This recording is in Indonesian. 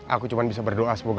aku cuma bisa berdoa semoga